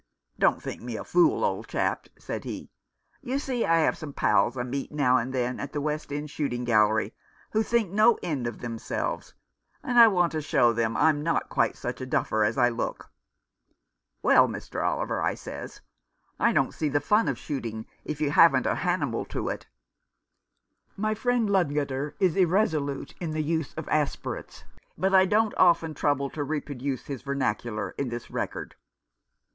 ' Don't think me a fool, old chap,' says he. ' You see, I've some pals I meet now and then at a West End shooting gallery who think no end of themselves ; and I want to show them I'm not quite such a duffer as I look.' 'Well, Mr. Oliver, says I, ' I don't see the fun of shooting if you haven't a hanimal to 'it.' " My friend Ludgater is irresolute in the use of aspirates, but I don't often trouble to reproduce his vernacular in this record.